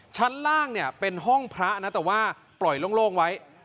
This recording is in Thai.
ชั้นล่างเนี่ยเป็นห้องพระนะแต่ว่าปล่อยโล่งไว้